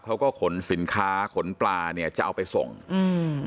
เขาก็ขนสินค้าขนปลาเนี้ยจะเอาไปส่งอืม